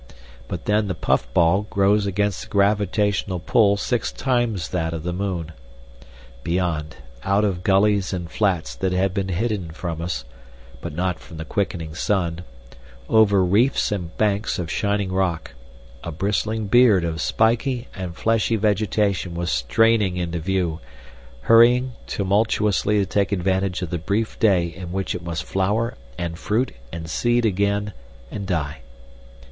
But then the puff ball grows against a gravitational pull six times that of the moon. Beyond, out of gullies and flats that had been hidden from us, but not from the quickening sun, over reefs and banks of shining rock, a bristling beard of spiky and fleshy vegetation was straining into view, hurrying tumultuously to take advantage of the brief day in which it must flower and fruit and seed again and die.